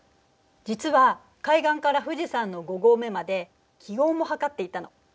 実は海岸から富士山の五合目まで気温も測っていたの。